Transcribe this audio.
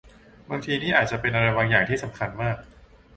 บางทีนี่อาจจะเป็นอะไรบางอย่างที่สำคัญมาก